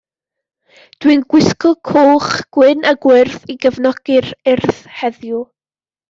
Dwi 'n gwisgo coch, gwyn a gwyrdd i gefnogi'r Urdd heddiw.